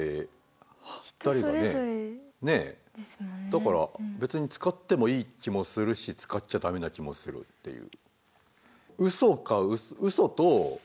だから別に使ってもいい気もするし使っちゃ駄目な気もするっていう。